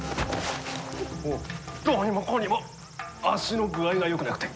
どうにもこうにも足の具合がよくなくて。